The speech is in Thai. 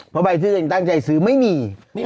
เพราะใบที่ตัวเองตั้งใจซื้อไม่มี